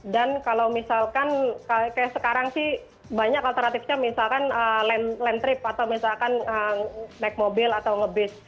dan kalau misalkan kayak sekarang sih banyak alternatifnya misalkan land trip atau misalkan naik mobil atau ngebis